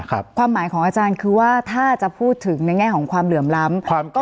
ความหมายของอาจารย์คือว่าถ้าจะพูดถึงในแง่ของความเหลื่อมล้ำ